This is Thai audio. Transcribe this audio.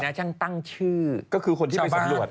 ใครนะท่านตั้งชื่อชาวบ้าน